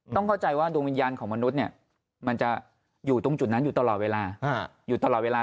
ต้องเข้าใจว่าดวงวิญญาณของมนุษย์มันจะอยู่ตรงจุดนั้นอยู่ตลอดเวลา